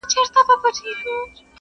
پر خواره مځکه هر واښه شين کېږي.